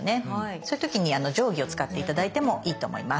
そういう時に定規を使って頂いてもいいと思います。